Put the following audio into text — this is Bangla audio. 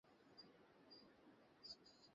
অ্যাই ধোরো না!